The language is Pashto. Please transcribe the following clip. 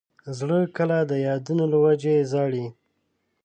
زړه کله د یادونو له وجې ژاړي.